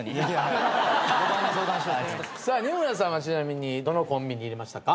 さあ仁村さんはちなみにどのコンビに入れましたか？